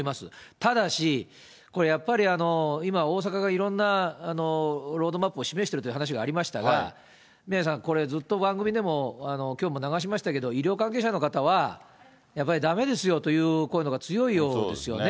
ただし、これやっぱり、今、大阪がいろんなロードマップを示しているという話がありましたが、宮根さん、これずっと番組でもきょうも流しましたけど、医療関係者の方は、やっぱりだめですよという声のほうが強いようですよね。